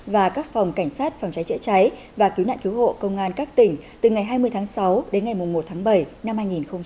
và các phòng cảnh sát phòng cháy chữa cháy và cứu nạn cứu hộ công an các tỉnh từ ngày hai mươi tháng sáu đến ngày một tháng bảy năm hai nghìn hai mươi